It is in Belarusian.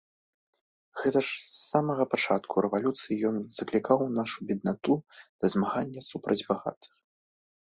Гэта ж з самага пачатку рэвалюцыі ён заклікаў нашу беднату да змагання супроць багатых.